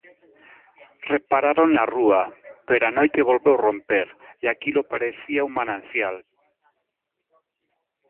Repararon na rúa, pero á noite volveu romper, e aquilo parecía un manancial.